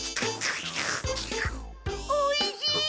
おいしい！